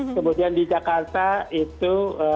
kemudian di jakarta itu empat puluh lima